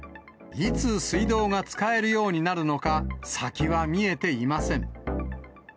いつ水道が使えるようになるのか、先は見えていません。